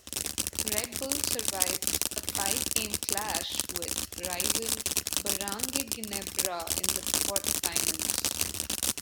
Red Bull survived a five-game clash with rival Barangay Ginebra in the quarterfinals.